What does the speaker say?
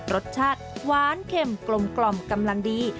รสชาติหวานเข็มกลมกำลังดี